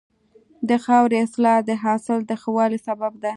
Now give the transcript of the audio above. د خاورې اصلاح د حاصل د ښه والي سبب ده.